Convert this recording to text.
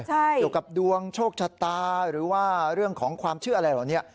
เกี่ยวกับดวงโชคชะตาหรือว่าเรื่องของความเชื่ออะไรเหล่านี้